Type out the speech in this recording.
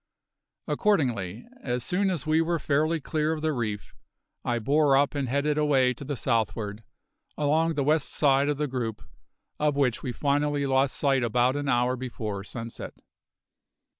Accordingly, as soon as we were fairly clear of the reef, I bore up and headed away to the southward, along the west side of the group, of which we finally lost sight about an hour before sunset.